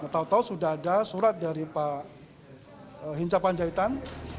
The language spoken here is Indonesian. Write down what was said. tau tau sudah ada surat dari pak hincapan jahitan